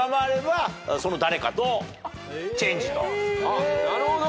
あっなるほど。